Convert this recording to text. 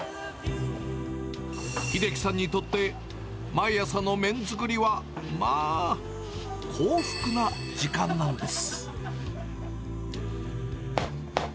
英樹さんにとって、毎朝の麺作りは、まあ、幸福な時間なんです。